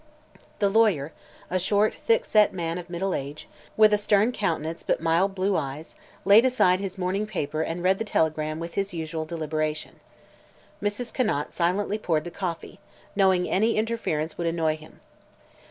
The lawyer, a short, thick set man of middle age, with a stern countenance but mild blue eyes, laid aside his morning paper and read the telegram with his usual deliberation. Mrs. Conant silently poured the coffee, knowing any interference would annoy him.